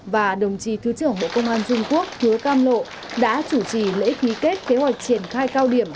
và đồng chí thứ trưởng bộ công an trung quốc thiếu cam lộ đã chủ trì lễ ký kết kế hoạch triển khai cao điểm